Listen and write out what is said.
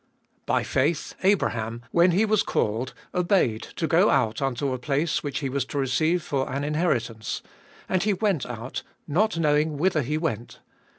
By faith Abraham, when he was called, obeyed to go out unto a place which he was to receive for an inheritance; and he went out, not knowing whither he went.